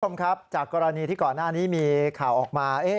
คุณผู้ชมครับจากกรณีที่ก่อนหน้านี้มีข่าวออกมา